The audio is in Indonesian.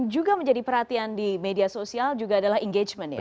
juga menjadi perhatian di media sosial juga adalah engagement ya